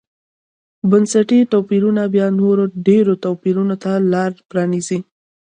بنسټي توپیرونه بیا نورو ډېرو توپیرونو ته لار پرانېزي.